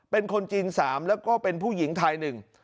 เป็นคนจีน๓แล้วก็เป็นผู้หญิงไทย๑